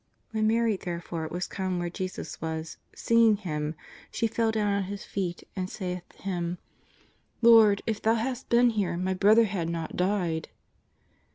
When Mary, therefore, was come where Jesus was, seeing Him, she fell down at His feet and saith to Him :*^ Lord, if Thou hadst been here, my brother had not died."